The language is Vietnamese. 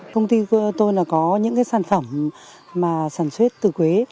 công ty tôi có những sản phẩm sản xuất từ quế